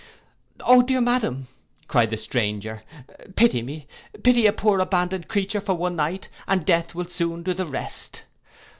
'—'O dear madam,' cried the stranger, 'pity me, pity a poor abandoned creature for one night, and death will soon do the rest.